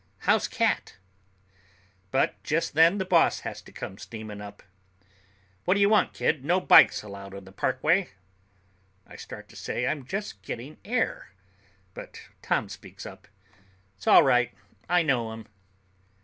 How's Cat?" But just then the boss has to come steaming up. "What d'ya want, kid? No bikes allowed on the parkway." I start to say I'm just getting air, but Tom speaks up. "It's all right. I know him."